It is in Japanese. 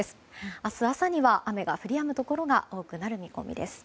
明日朝には雨が降りやむところが多くなる見込みです。